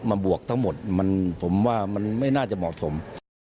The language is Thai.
บวกทั้งหมดผมว่ามันไม่น่าจะเหมาะสม